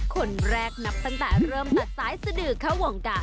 คนแรกนับตั้งแต่เริ่มตัดซ้ายสดือเข้าวงการ